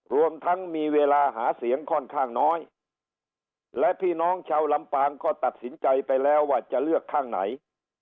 รวมทั้งมีเวลาหาเสียงค่อนข้างน้อยและพี่น้องชาวลำปางก็ตัดสินใจไปแล้วว่าจะเลือกข้างไหน